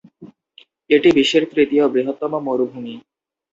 এটি বিশ্বের তৃতীয় বৃহত্তম মরুভূমি।